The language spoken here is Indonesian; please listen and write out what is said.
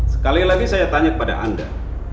sekali lagi saya tanya kepada anda